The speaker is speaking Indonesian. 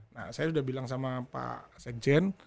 nah saya sudah bilang sama pak seng jen